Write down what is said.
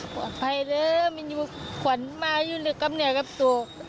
ปลอดภัยเลยมันอยู่ขวัญมาอยู่ในกำเนื้อกับตัว